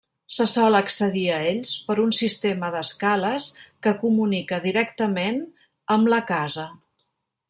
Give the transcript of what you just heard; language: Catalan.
Se sol accedir a ells per un sistema d'escales que comunica directament amb la casa.